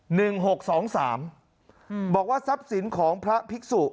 หกสองสามอืมบอกว่าทรัพย์สินของพระภิกษุ